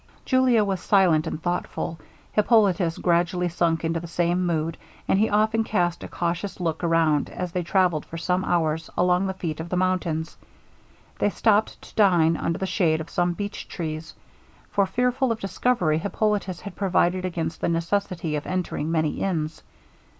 Julia was silent and thoughtful; Hippolitus gradually sunk into the same mood, and he often cast a cautious look around as they travelled for some hours along the feet of the mountains. They stopped to dine under the shade of some beach trees; for, fearful of discovery, Hippolitus had provided against the necessity of entering many inns.